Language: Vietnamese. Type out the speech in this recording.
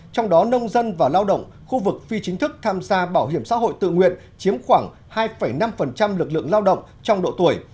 trong đó nông dân và lao động khu vực phi chính thức tham gia bảo hiểm xã hội tự nguyện chiếm khoảng hai năm lực lượng lao động trong độ tuổi